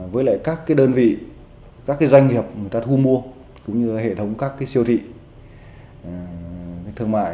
với lại các đơn vị các doanh nghiệp người ta thu mua cũng như hệ thống các siêu thị thương mại